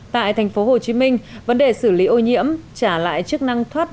tại thành phố hồ chí minh vấn đề xử lý ô nhiễm trả lại chức năng thoát nước